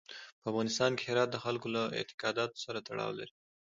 په افغانستان کې هرات د خلکو له اعتقاداتو سره تړاو لري.